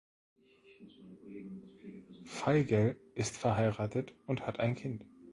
Veigel ist verheiratet und hat ein Kind.